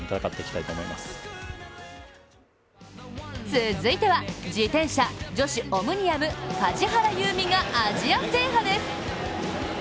続いては自転車、女子オムニアム梶原悠未がアジア制覇です。